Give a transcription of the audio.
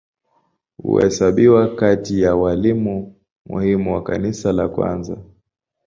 Huhesabiwa kati ya walimu muhimu wa Kanisa la kwanza.